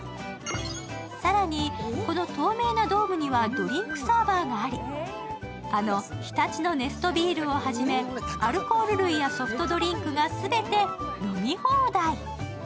更にこの透明なドームにはドリンクサーバーがありあの常盤野ネストビールをはじめアルコール類やソフトドリンクがすべて飲み放題。